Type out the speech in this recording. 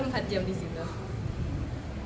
bener bener empat jam di situ